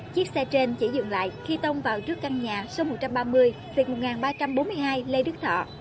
chiếc xe trên chỉ dừng lại khi tông vào trước căn nhà số một trăm ba mươi về một nghìn ba trăm bốn mươi hai lê đức thọ